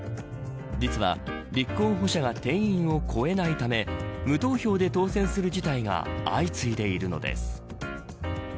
実は、立候補者が定員を超えないため無投票で当選する事態が相次いでいるのです。